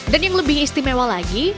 dan yang lebih istimewa lagi